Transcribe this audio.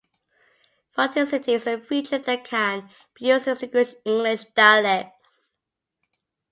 Rhoticity is a feature that can be used to distinguish English dialects.